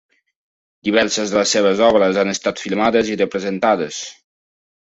Diverses de les seves obres han estat filmades i representades.